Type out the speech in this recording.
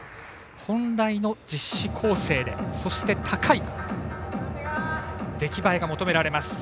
本来の実施構成でそして高い出来栄えが求められます。